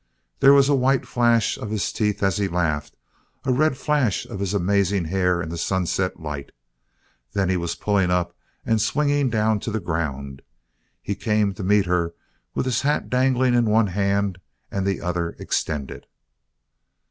There was a white flash of his teeth as he laughed, a red flash of his amazing hair in the sunset light. Then he was pulling up and swinging down to the ground. He came to meet her with his hat dangling in one hand and the other extended.